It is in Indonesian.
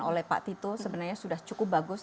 oleh pak tito sebenarnya sudah cukup bagus